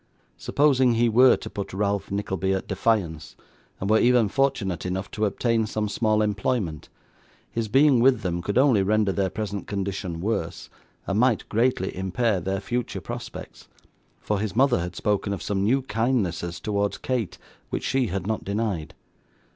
Supposing he were to put Ralph Nickleby at defiance, and were even fortunate enough to obtain some small employment, his being with them could only render their present condition worse, and might greatly impair their future prospects; for his mother had spoken of some new kindnesses towards Kate which she had not denied.